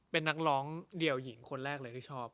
เป็นนักร้องเดี่ยวหญิงคนแรกเลยที่ชอบ